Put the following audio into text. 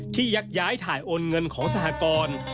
ยักย้ายถ่ายโอนเงินของสหกร